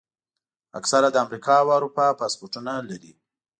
اکثره د امریکا او اروپا پاسپورټونه لري.